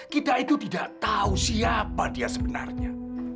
kita itu tidak tahu siapa dia sebenarnya